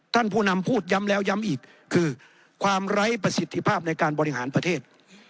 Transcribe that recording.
ผู้นำพูดย้ำแล้วย้ำอีกคือความไร้ประสิทธิภาพในการบริหารประเทศ